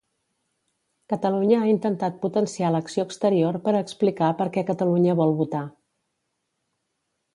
Catalunya ha intentat potenciar l'acció exterior per a explicar per què Catalunya vol votar.